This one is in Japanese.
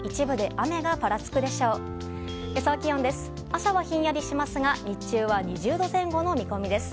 朝はひんやりしますが日中は２０度前後の見込みです。